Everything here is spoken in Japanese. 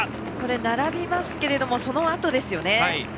並びますけれどもそのあとですよね。